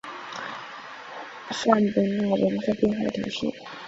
尚博纳人口变化图示